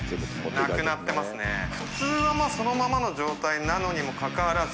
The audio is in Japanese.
普通はそのままの状態なのにも関わらず。